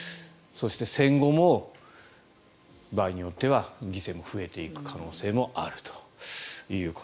そして、戦後も場合によっては犠牲も増えていく可能性があると。